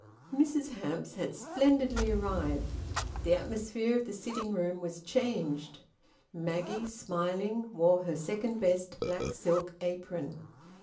Mrs Hamps had splendidly arrived. The atmosphere of the sitting room was changed. Maggie, smiling, wore her second best black silk apron.